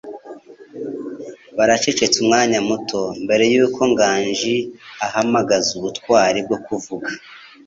Baracecetse umwanya muto, mbere yuko Nganji ahamagaza ubutwari bwo kuvuga.